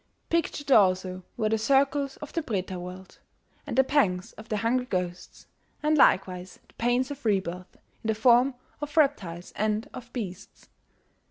Pictured also were the circles of the Preta world, and the pangs of the Hungry Ghosts, and likewise the pains of rebirth in the form of reptiles and of beasts.